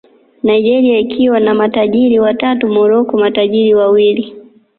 Nigeria ikiwa na matajiri watatu Morocco matajiri wawili